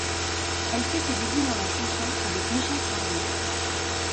Elle fait ses débuts dans la chanson avec Michel Sardou.